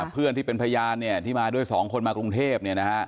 ที่เป็นพยานที่มาด้วย๒คนมากรุงเทพ